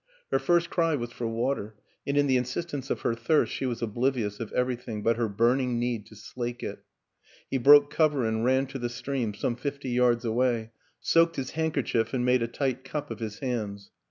Her first cry was for water, and in the insist ence of her thirst she was oblivious of every thing but her burning need to slake it; he broke cover and ran to the stream, some fifty yards away, soaked his handkerchief and made a tight cup of his hands.